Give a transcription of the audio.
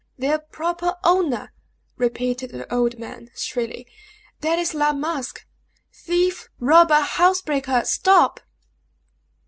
"Their proper owner!" repeated the old man, shrilly; "that is La Masque. Thief robber housebreaker stop!"